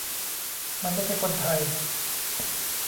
มันไม่ใช่คนไทย